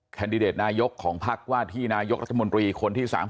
แดดิเดตนายกของพักว่าที่นายกรัฐมนตรีคนที่๓๐